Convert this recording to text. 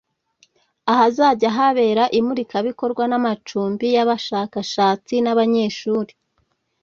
ahazajya habera imurikabikorwa n’amacumbi y’abashakashatsi n’abanyeshuri